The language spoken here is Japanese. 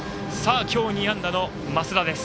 今日、２安打の増田です。